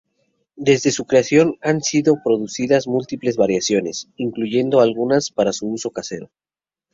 Desde su creación han sido producidas múltiples variaciones, incluyendo algunas para uso casero.